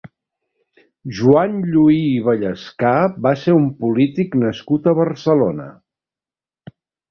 Joan Lluhí i Vallescà va ser un polític nascut a Barcelona.